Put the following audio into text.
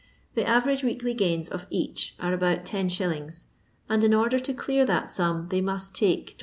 The average weekly gaini of each are about 10«., and in order to dear that sum they must take 20#.